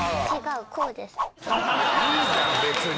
いいじゃん別に。